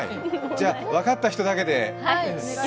じゃあ分かった人だけで。